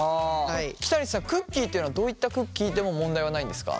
北西さんクッキーっていうのはどういったクッキーでも問題はないんですか？